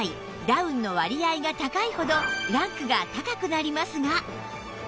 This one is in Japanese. ダウンの割合が高いほどランクが高くなりますが